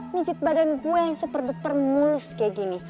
pijit badan gue yang super duper mulus kayak gini